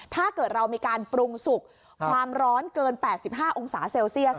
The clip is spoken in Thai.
ถ้าเกิดเรามีการปรุงสุกความร้อนเกิน๘๕องศาเซลเซียส